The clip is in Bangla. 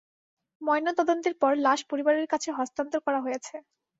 ময়নাতদন্তের পর লাশ পরিবারের কাছে হস্তান্তর করা হয়েছে।